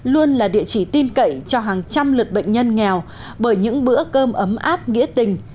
luôn là địa chỉ tin cậy cho hàng trăm lượt bệnh nhân nghèo bởi những bữa cơm ấm áp nghĩa tình